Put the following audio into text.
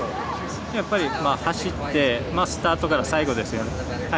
やっぱり走ってスタートから最後ですよね。